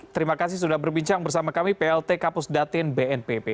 terima kasih sudah berbincang bersama kami plt kapus datin bnpp